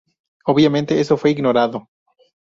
Obviamente eso fue ignorado.